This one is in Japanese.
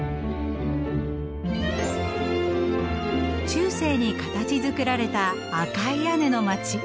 中世に形づくられた赤い屋根の街。